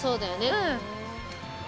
うん。